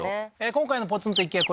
今回のポツンと一軒家